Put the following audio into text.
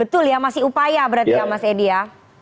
betul ya masih upaya berarti ya mas edi ya